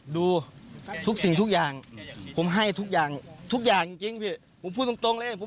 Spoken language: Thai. ดูทุกสิ่งทุกอย่างผมให้ทุกอย่างทุกอย่างจริงพี่ผมพูดตรงเลย